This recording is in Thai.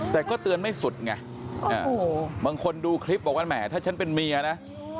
แต่ก็เตือนไม่สุดไงบางคนดูคลิปบอกว่าแหมถ้าฉันเป็นเมียนะ